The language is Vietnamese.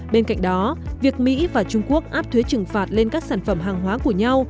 bên cạnh đó việc mỹ và trung quốc áp thuế trừng phạt lên các sản phẩm hàng hóa của nhau